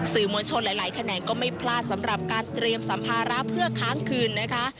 มวลชนหลายแขนงก็ไม่พลาดสำหรับการเตรียมสัมภาระเพื่อค้างคืนนะคะ